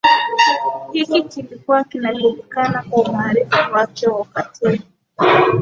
hiki kilikuwa kinajuliakana kwa umaarufu wake wa ukatili